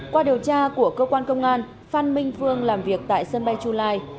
qua điều tra của cơ quan công an phan minh phương làm việc tại sân bay chu lai